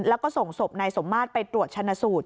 แล้วก็ส่งศพนายสมมาตรไปตรวจชนะสูตร